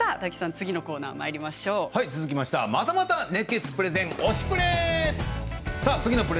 続きましてはまたまた熱血プレゼン「推しプレ！」。